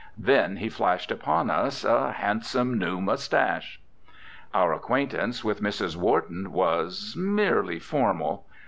Then he flashed upon us a handsome new moustache. Our acquaintance with Mrs. Wharton was merely formal.